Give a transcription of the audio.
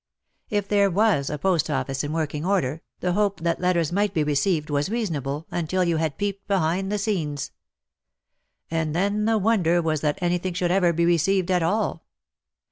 If there was a post office in working order, the hope that letters might be received was reasonable, until you had peeped behind the scenes. And then the wonder was that anything should ever be received at all.